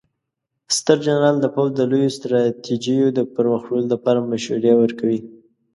ستر جنرال د پوځ د لویو ستراتیژیو د پرمخ وړلو لپاره مشورې ورکوي.